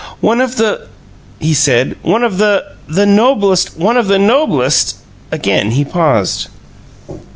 "One of the " he said; "one of the the noblest one of the noblest " Again he paused.